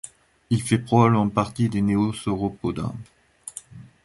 Il fait probablement partie des Neosauropoda.